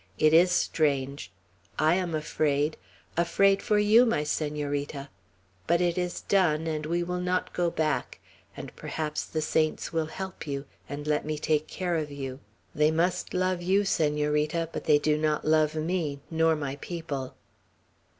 "It is strange. I am afraid, afraid for you, my Senorita! But it is done, and we will not go back; and perhaps the saints will help you, and will let me take care of you. They must love you, Senorita; but they do not love me, nor my people."